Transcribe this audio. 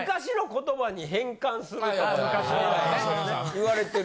言われてる。